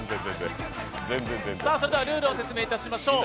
それではルールを説明いたしましょう。